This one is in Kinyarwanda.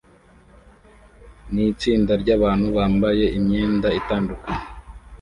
nitsinda ryabantu bambaye imyenda itandukanye